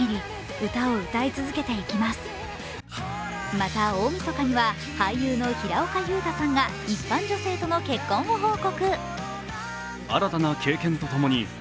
また大みそかには俳優の平岡祐太さんが一般女性との結婚を報告。